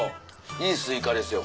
いいスイカですよ